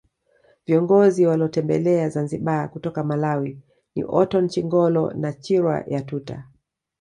Viongozi walotembelea Zanzibar kutoka Malawi ni Orton Chingolo na Chirwa Yatuta